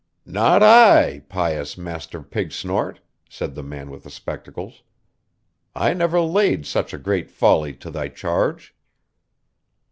'Not I, pious Master Pigsnort,' said the man with the spectacles. 'I never laid such a great folly to thy charge.